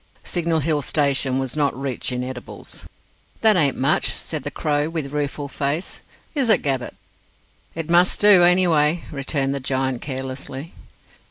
Signal Hill station was not rich in edibles. "That ain't much," said the Crow, with rueful face. "Is it, Gabbett?" "It must do, any way," returned the giant carelessly.